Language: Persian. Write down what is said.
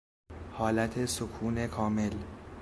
حالت سکون کامل